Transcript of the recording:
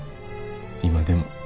今でも。